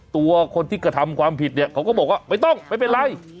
ตัวคนที่กระทำความผิดเนี่ยเขาก็บอกว่าไม่ต้องไม่เป็นไร